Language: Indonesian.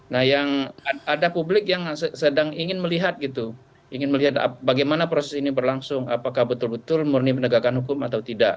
nah yang ada publik yang sedang ingin melihat gitu ingin melihat bagaimana proses ini berlangsung apakah betul betul murni penegakan hukum atau tidak